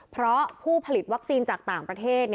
เพราะผู้ผลิตวัคซีนจากต่างประเทศ